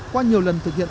qua nhiều lần thực hiện